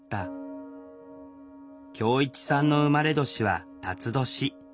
恭一さんの生まれ年は辰年。